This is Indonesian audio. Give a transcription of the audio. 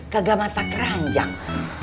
kagak mata keranjang